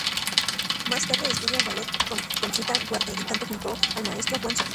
Más tarde estudia ballet con Conchita Huarte y canto junto al maestro Juan Solano.